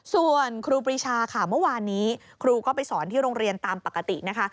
ส่วนครูปรีชาค่ะเมื่อวานนี้ครูก็ไปสอนที่โรงเรียนตามปกตินะคะ